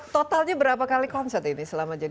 totalnya berapa kali konset ini selama jadi busi